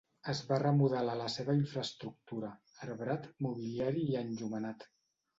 Es va remodelar la seva infraestructura: arbrat, mobiliari i enllumenat.